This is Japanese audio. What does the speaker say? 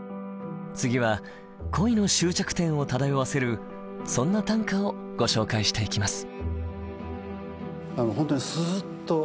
次は「恋の終着点」を漂わせるそんな短歌をご紹介していきます。